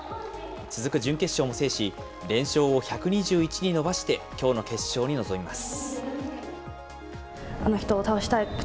続く準決勝も制し、連勝を１２１に伸ばしてきょうの決勝に臨みます。